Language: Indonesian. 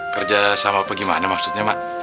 kerjasama apa gimana maksudnya mak